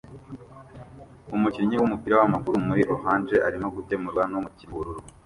Umukinnyi wumupira wamaguru muri orange arimo gukemurwa numukinnyi wubururu